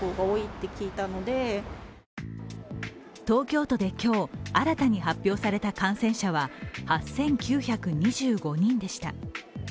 東京都で今日、新たに発表された感染者は８９２５人でした。